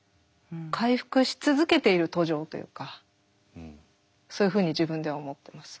回復し続けている途上というかそういうふうに自分では思ってます。